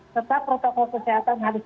tetap protokol kesehatan harus